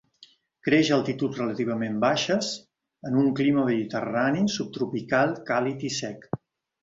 Creix a altituds relativament baixes en un clima mediterrani subtropical càlid i sec.